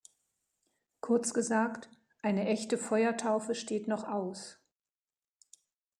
Kurz gesagt, eine echte Feuertaufe steht noch aus.